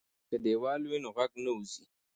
که دیوال وي نو غږ نه وځي.